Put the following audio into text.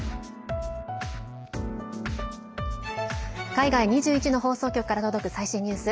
海外２１の放送局から届く最新ニュース。